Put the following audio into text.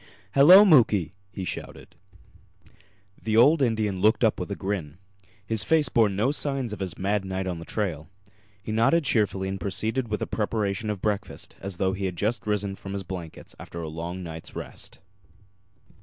"Hello, Muky!" he shouted. The old Indian looked up with a grin. His face bore no signs of his mad night on the trail. He nodded cheerfully and proceeded with the preparation of breakfast as though he had just risen from his blankets after a long night's rest.